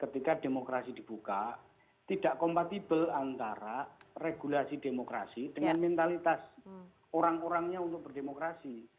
ketika demokrasi dibuka tidak kompatibel antara regulasi demokrasi dengan mentalitas orang orangnya untuk berdemokrasi